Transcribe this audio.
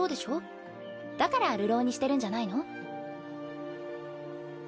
だから流浪人してるんじゃないの？